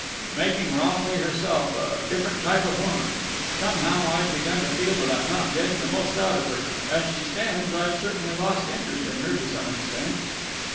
"Making Romilly herself a different type of woman. Somehow, I've begun to feel that I'm not getting the most out of her. As she stands, I've certainly lost interest in her to some extent."